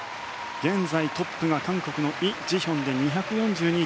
現在トップが、韓国のイ・ジヒョンで２４２．６２。